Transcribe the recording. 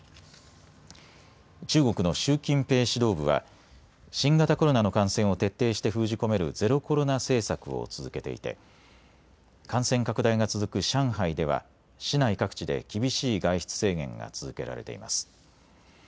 中国の習近平指導部は新型コロナの感染を徹底して封じ込めるゼロコロナ政策を続けていて感染拡大が続く上海では市内各地で厳しい外出制限が続けられています。